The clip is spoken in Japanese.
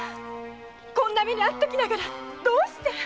こんな目に遭っておきながらどうして！